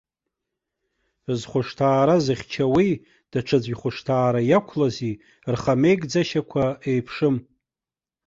Зхәышҭаара зыхьчауеи, даҽаӡәы ихәышҭаара иақәлази рхамеигӡашьақәа еиԥшым.